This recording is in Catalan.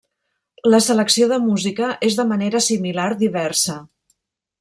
La selecció de música és de manera similar diversa.